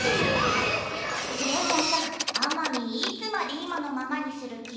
でもさあまみーいつまで今のままにする気？